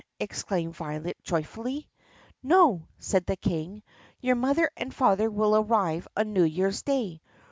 exclaimed Violet joyfully. "No," said the King. "Your mother and father will arrive on New Year's Day.